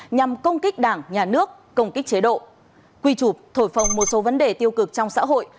nhằm công kích đảng nhà nước công kích chế độ quy chụp thổi phòng một số vấn đề tiêu cực trong xã hội